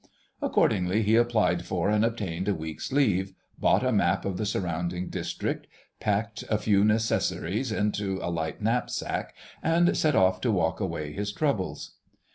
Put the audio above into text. Accordingly he applied for and obtained a week's leave, bought a map of the surrounding district, packed a few necessaries into a light knapsack, and set off to walk away his troubles.